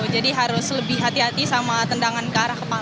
jadi harus lebih hati hati sama tendangan ke arah kepala